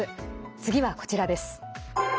次はこちらです。